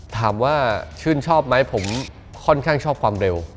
ถามว่าชื่นชอบไหมผมค่อนข้างชอบความเร็ว